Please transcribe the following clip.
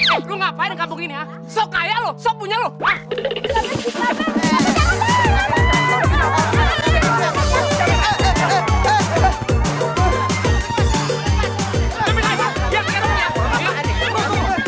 eh lo gapapain di kampung ini